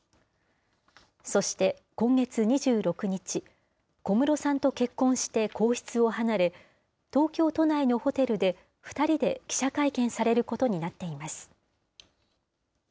そして今月２６日、小室さんと結婚して皇室を離れ、東京都内のホテルで２人で記者会見されることになっています。